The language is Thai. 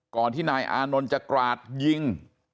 ก่อนที่นายอานนลจะกราดยิง